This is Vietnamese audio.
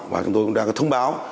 và chúng tôi cũng đã thông báo